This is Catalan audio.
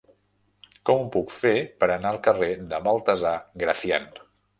Com ho puc fer per anar al carrer de Baltasar Gracián?